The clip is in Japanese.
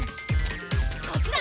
こっちだ！